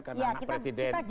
karena anak presiden